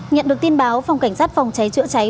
nhận được tin báo phòng cảnh sát phòng cháy chữa cháy